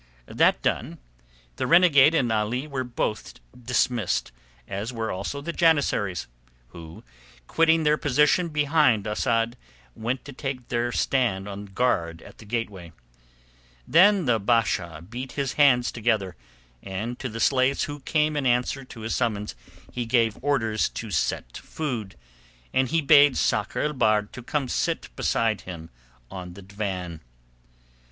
That done, the renegade and Ali were both dismissed, as were also the janissaries, who, quitting their position behind Asad, went to take their stand on guard at the gateway. Then the Basha beat his hands together, and to the slaves who came in answer to his summons he gave orders to set food, and he bade Sakr el Bahr to come sit beside him on the divan.